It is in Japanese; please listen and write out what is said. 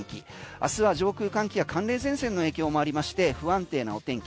明日は上空の寒気や寒冷前線の影響もありまして不安定なお天気。